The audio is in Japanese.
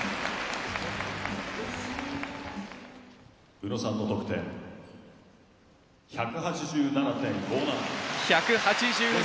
「宇野さんの得点１８７．５７」。